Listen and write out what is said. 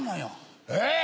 「えっ？